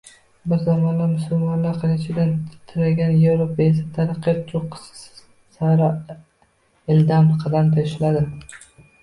Bir zamonlar musulmonlar qilichidan titragan Yevropa esa taraqqiyot choʻqqisi sari ildam qadam tashladi.